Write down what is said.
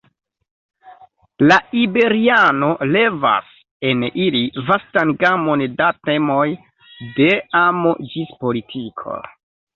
La iberiano levas en ili vastan gamon da temoj, de amo ĝis politiko.